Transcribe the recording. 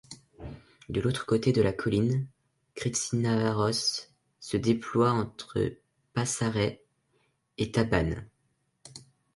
De l'autre côté de la colline, Krisztinaváros se déploie entre Pasarét et Tabán.